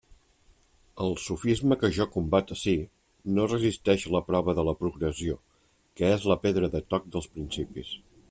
El sofisma que jo combat ací no resisteix la prova de la progressió, que és la pedra de toc dels principis.